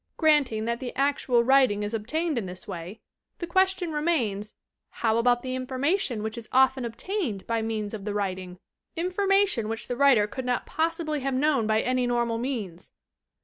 Granting that the actual writing is obtained in this way, the question remains "How about the information which is often obtained by means of the writing, information which the writer could not possibly have known by any normal means!"